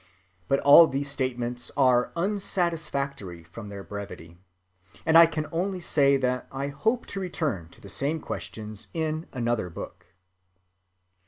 (363) But all these statements are unsatisfactory from their brevity, and I can only say that I hope to return to the same questions in another book.